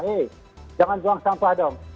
eh jangan buang sampah dong